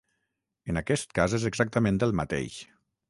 En aquest cas és exactament el mateix.